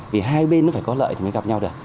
vì hai bên phải có lợi mới gặp nhau được